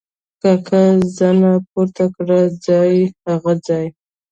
کاکا زنه پورته کړه: هغه ځای!